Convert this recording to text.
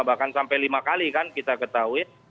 bahkan sampai lima kali kan kita ketahui